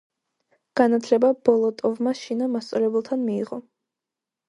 განათლება ბოლოტოვმა შინა მასწავლებელთან მიიღო.